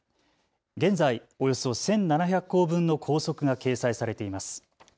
現在、およそ１７００校分の校則が掲載されています。